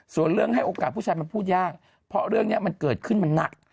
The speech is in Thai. ส่วนเรื่องให้โอกาสผู้ชายมันพูดยากเพราะเรื่องนี้มันเกิดขึ้นมันหนัก